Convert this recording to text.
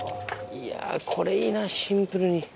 いやこれいいなシンプルに。